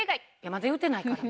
まだ言うてないから。